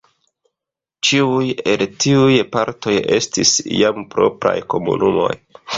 Ĉiuj el tiuj partoj estis iam propraj komunumoj.